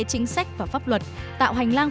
chính sách và pháp luật tạo hành lang